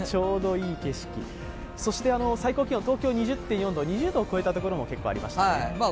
最高気温、東京２０．４度２０度を超えた所も結構ありましたね。